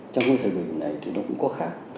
trong thời bình này thì nó cũng có khác